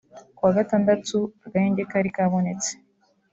Kuwa Gatandatu agahenge kari kabonetse